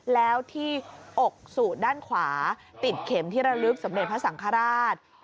แล้วที่อกสูตรด้านขวาติดเข็มที่ระลึกสมเด็จพระสังฆราช